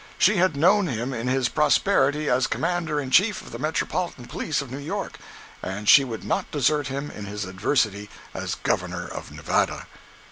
She had known him in his prosperity as commander in chief of the Metropolitan Police of New York, and she would not desert him in his adversity as Governor of Nevada.